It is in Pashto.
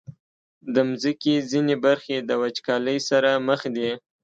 د مځکې ځینې برخې د وچکالۍ سره مخ دي.